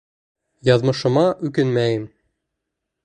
Яҙмышыма үкенмәйем.